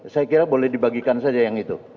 saya kira boleh dibagikan saja yang itu